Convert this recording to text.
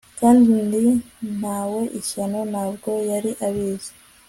Kandi ntawe ishyano ntabwo yari abizi